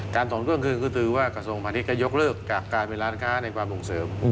การถอนเครื่องคืนคือคือว่ากระทรวงภัณฑ์นี้ก็ยกเลิกกากการเป็นร้านค้าในกว่าบุงเสริม